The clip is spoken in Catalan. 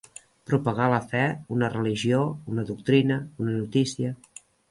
Propagar la fe, una religió, una doctrina, una notícia.